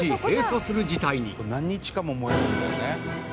これ何日間も燃えるんだよね。